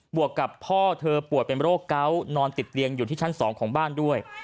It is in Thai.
วกกับพ่อเธอป่วยเป็นโรคเกาะนอนติดเตียงอยู่ที่ชั้น๒ของบ้านด้วย